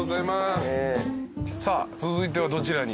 さあ続いてはどちらに？